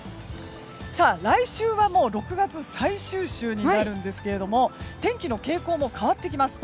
来週はもう６月最終週になるんですが天気の傾向も変わってきます。